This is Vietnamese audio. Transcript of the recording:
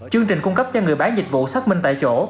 chương trình cung cấp cho người bán dịch vụ xác minh tại chỗ